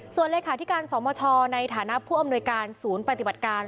ส่วนเลขาธิการสมชในฐานะผู้อำนวยการศูนย์ปฏิบัติการ